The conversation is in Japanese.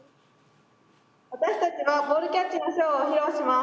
私たちはボールキャッチのショーを披露します。